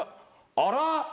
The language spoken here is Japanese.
あら？